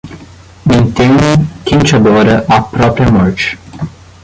Nem teme, quem te adora, à própria morte